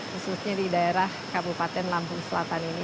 khususnya di daerah kabupaten lampung selatan ini